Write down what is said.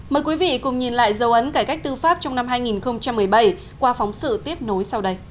mời quý vị cùng nhìn lại dấu ấn cải cách tư pháp trong năm hai nghìn một mươi bảy qua phóng sự tiếp nối sau đây